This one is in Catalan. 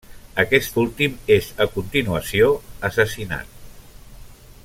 Aquest últim és a continuació assassinat.